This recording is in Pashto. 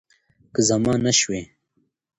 که زما نه شوی